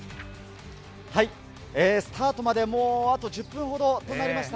スタートまでもうあと１０分ほどとなりました。